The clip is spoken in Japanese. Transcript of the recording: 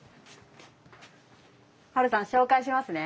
ハルさん紹介しますね。